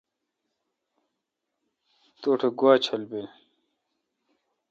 تو ٹھ گوا چل بیل